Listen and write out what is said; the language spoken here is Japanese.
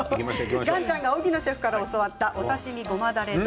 岩ちゃんが荻野シェフから教わったお刺身ごまだれ丼。